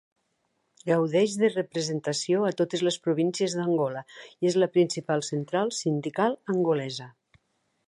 Gaudeix de representació a totes les províncies d'Angola i és la principal central sindical angolesa.